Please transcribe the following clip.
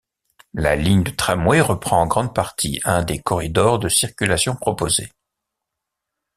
La ligne de tramway reprend en grande partie un des corridors de circulation proposés.